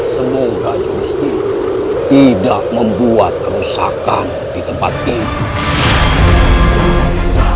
semoga jurus itu tidak membuat kerusakan di tempat ini